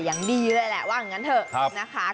อย่างดีเลยแหละว่าอย่างนั้นเถอะนะคะ